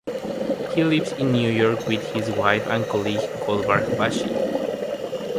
He lives in New York with his wife and colleague Golbarg Bashi.